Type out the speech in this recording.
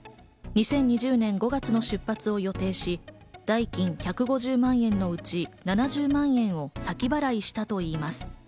２０２０年５月の出発を予定し、代金１５０万円のうち７０万円を先払いしたといいます。